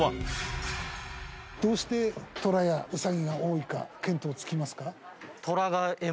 どうして虎やウサギが多いか見当つきますか？